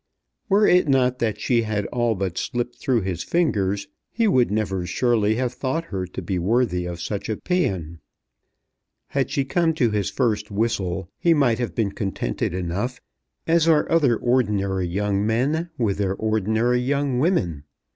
Were it not that she had all but slipped through his fingers he would never surely have thought her to be worthy of such a pæan. Had she come to his first whistle he might have been contented enough, as are other ordinary young men with their ordinary young women.